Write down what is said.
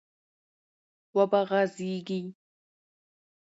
و به غځېږي،